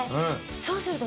そうすると。